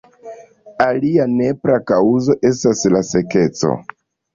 Alia nepra kaŭzo estas la sekeco.